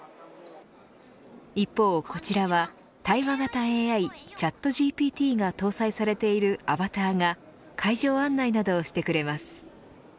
一方こちらは対話型ＡＩ、チャットＧＰＴが搭載されているアバターが会場案内などをしてくれます。